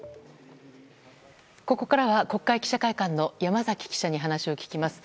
ここからは国会記者会館の山崎記者に話を聞きます。